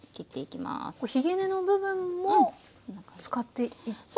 ひげ根の部分も使っていけるんですね。